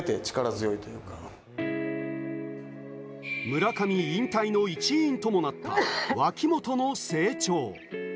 村上引退の一因ともなった脇本の成長。